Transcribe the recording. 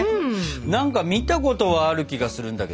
何か見たことはある気がするんだけどさ